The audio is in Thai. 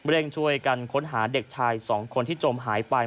เร่งช่วยกันค้นหาเด็กชาย๒คนที่จมหายไป